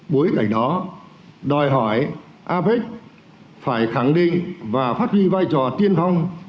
bối cảnh đó đòi hỏi apec phải khẳng định và phát huy vai trò tiên phong